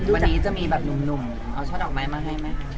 นี้จะมีแบบหนุ่มเอาช่อดอกไม้มาให้ไหมคะ